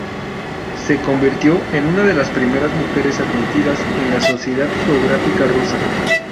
Se convirtió en una de las primeras mujeres admitidas en la Sociedad Geográfica Rusa.